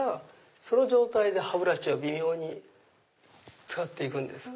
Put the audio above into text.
その状態で歯ブラシを微妙に使っていくんです。